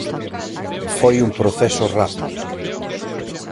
Foi un proceso rápido.